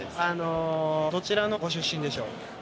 どちらのご出身でしょう？